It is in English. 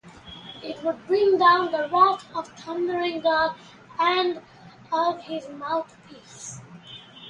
It would bring down the wrath of the thundering god and of his mouthpiece.